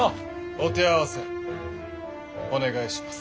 お手合わせお願いします。